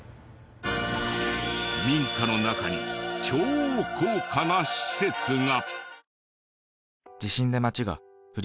民家の中に超高価な施設が！